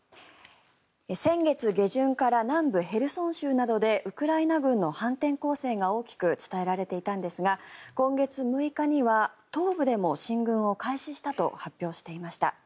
先月下旬から南部ヘルソン州などでウクライナ軍の反転攻勢が大きく伝えられていたんですが今月６日には東部でも進軍を開始したと発表していました。